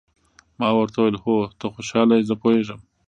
ما ورته وویل: هو، ته خوشاله یې، زه پوهېږم.